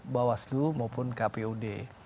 bawaslu maupun kpud